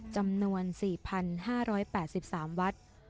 จำนวน๔๕๘๓วัด